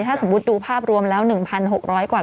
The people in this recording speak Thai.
ถ้าสมมุติดูภาพรวมแล้ว๑๖๐๐กว่า